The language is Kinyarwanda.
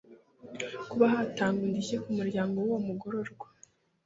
Kuba hatangwa indishyi ku muryango w’uwo mugororwa